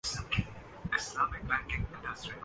Abu Dhabi میں پاکستان اور New Zealand کا نیا منفرد ریکارڈ